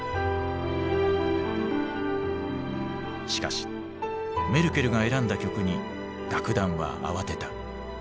しかしメルケルが選んだ曲に楽団は慌てた。